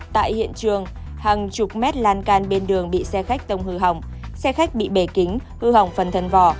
tại hiện trường hàng chục mét lan can bên đường bị xe khách tông hư hỏng xe khách bị bề kính hư hỏng phần thân vỏ